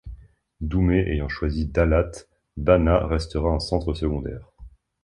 Doumer ayant choisi Đà Lạt, Bà Nà restera un centre secondaire.